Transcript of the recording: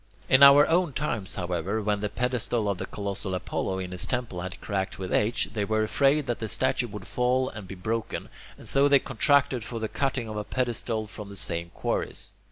In our own times, however, when the pedestal of the colossal Apollo in his temple had cracked with age, they were afraid that the statue would fall and be broken, and so they contracted for the cutting of a pedestal from the same quarries.